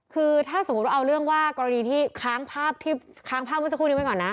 คือถ้าสมมุติว่าเอาเรื่องว่ากรณีที่ค้างภาพที่ค้างภาพเมื่อสักครู่นี้ไว้ก่อนนะ